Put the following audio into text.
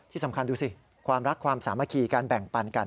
ที่สำคัญดูสิความรักความสามัคคีการแบ่งปันกัน